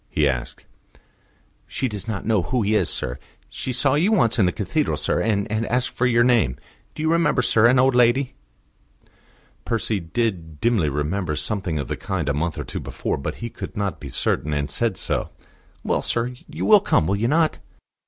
he asked. "She she does not know who he is, sir; she saw you once in the Cathedral, sir, and asked you for your name. Do you remember, sir? an old lady?" Percy did dimly remember something of the kind a month or two before; but he could not be certain, and said so. "Well, sir, you will come, will you not?"